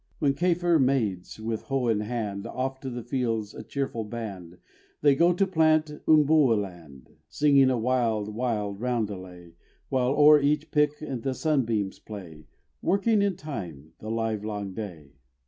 When Kafir maids with hoe in hand, Off to the fields a cheerful band They go to plant umboua land, Singing a wild, wild roundelay, While o'er each pick the sunbeams play, Working in time the livelong day.